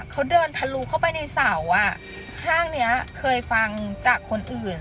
เขาเดินทะลุเข้าไปในเสาอ่ะห้างเนี้ยเคยฟังจากคนอื่น